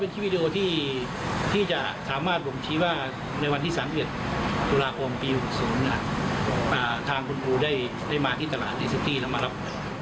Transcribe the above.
ความผิวสูงทางคุณครูได้มาที่ตลาดในสุทธิ์แล้วนะครับ